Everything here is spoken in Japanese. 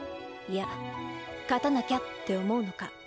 いや勝たなきゃって思うのか。